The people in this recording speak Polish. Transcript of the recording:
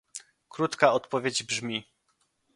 Krótka odpowiedź brzmi